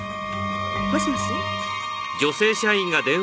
もしもし？